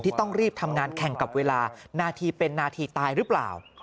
ต้องรีบทำงานแข่งกับเวลานาทีเป็นนาทีตายหรือเปล่า